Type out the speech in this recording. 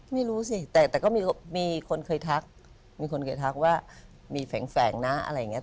ไม่รู้สิแต่ก็มีคนเคยทักว่ามีแฝงนะอะไรเงี้ย